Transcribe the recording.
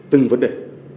từng vấn đề